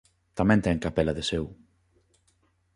Tamén ten capela de seu.